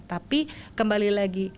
tapi kembali lagi